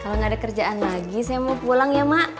kalau nggak ada kerjaan lagi saya mau pulang ya mak